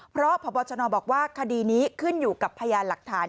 เพราะพบชนบอกว่าคดีนี้ขึ้นอยู่กับพยานหลักฐาน